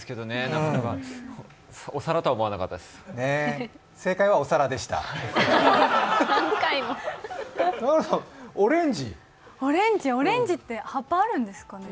永野さん、オレンジ？オレンジって葉っぱあるんですかね？